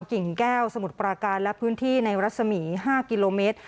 กิ่งแก้วสมุทรปราการและพื้นที่ในรัศมี๕กิโลเมตร